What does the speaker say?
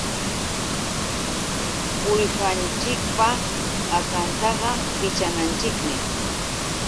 Uwihanchikpa akantaqa pichananchikmi.